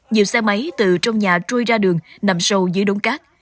nhiều xe máy từ trong nhà trôi ra đường nằm sâu dưới đống cát